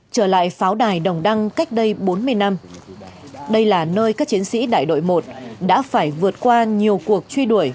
trở lại pháo đài đồng đăng cách đây bốn mươi năm đây là nơi các chiến sĩ đại đội một đã phải vượt qua nhiều cuộc truy đuổi